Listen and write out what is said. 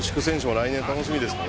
来年楽しみですよね」